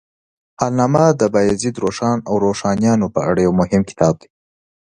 حالنامه د بایزید روښان او روښانیانو په اړه یو مهم کتاب دی.